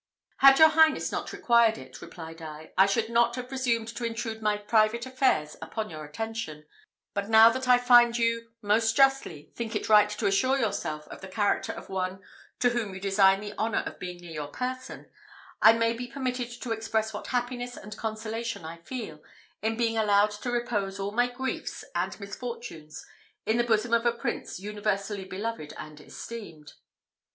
"Had your highness not required it," replied I, "I should not have presumed to intrude my private affairs upon your attention; but now that I find you, most justly, think it right to assure yourself of the character of one to whom you design the honour of being near your person, I may be permitted to express what happiness and consolation I feel, in being allowed to repose all my griefs and misfortunes in the bosom of a prince universally beloved and esteemed."